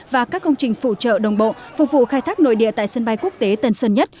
và các công trình phụ trợ đồng bộ phục vụ khai thác nội địa tại sân bay quốc tế tân sơn nhất